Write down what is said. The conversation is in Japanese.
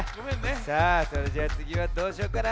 さあそれじゃつぎはどうしようかな？